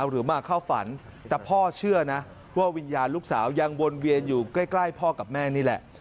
หรือมาเข้าฝันแต่พ่อเชื่อนะว่าวิญญาณลูกสาวยังวนเวียนอยู่ใกล้พ่อกับแม่นี่แหละ